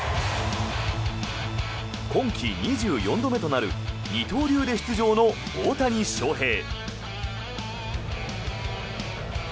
今季２４度目となる二刀流で出場の大谷翔平。